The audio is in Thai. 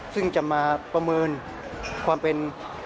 ซึ่งจะมาประเมินความเป็น